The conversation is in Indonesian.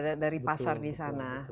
ada dari pasar di sana